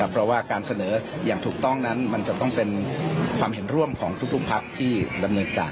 เพราะว่าการเสนออย่างถูกต้องนั้นมันจะต้องเป็นความเห็นร่วมของทุกพักที่ดำเนินการ